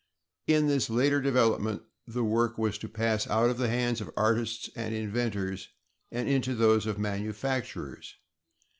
In this later development the work was to pass out of the hands of artists and inventors into those of manufacturers.